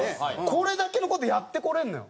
これだけの事やってこれるのよ。